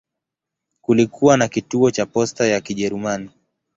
Kulikuwa na kituo cha posta ya Kijerumani.